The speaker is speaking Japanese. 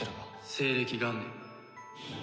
西暦元年。